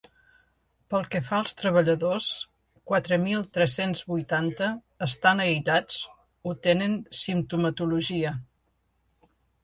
Pel que fa als treballadors, quatre mil tres-cents vuitanta estan aïllats o tenen simptomatologia.